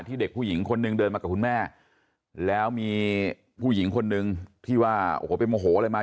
เด็กผู้หญิงคนนึงเดินมากับคุณแม่แล้วมีผู้หญิงคนนึงที่ว่าโอ้โหไปโมโหอะไรมา